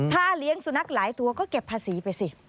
ถ้าเลี้ยงสุนัขหลายตัวก็เก็บภาษีไปสิ